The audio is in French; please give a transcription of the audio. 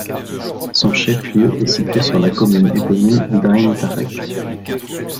Son chef-lieu est situé sur la commune éponyme d'Aïn Tarek.